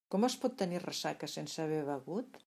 Com es pot tenir ressaca sense haver begut?